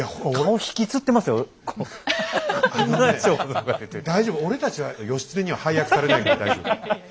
あのね大丈夫俺たちは義経には配役されないから大丈夫。